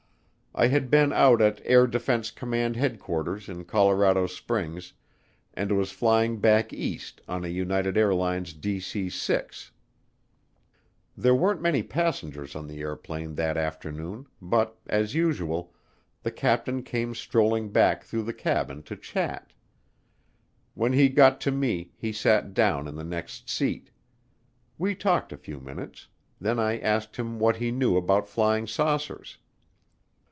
I had been out at Air Defense Command Headquarters in Colorado Springs and was flying back East on a United Airlines DC 6. There weren't many passengers on the airplane that afternoon but, as usual, the captain came strolling back through the cabin to chat. When he got to me he sat down in the next seat. We talked a few minutes; then I asked him what he knew about flying saucers.